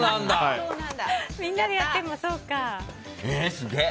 みんなでやってもそうか。